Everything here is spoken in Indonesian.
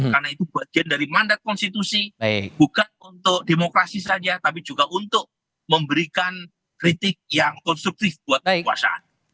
karena itu bagian dari mandat konstitusi bukan untuk demokrasi saja tapi juga untuk memberikan kritik yang konstruktif buat kekuasaan